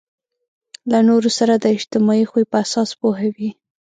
له نورو سره د اجتماعي خوی په اساس پوهوي.